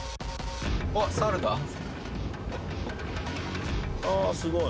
おっああすごい。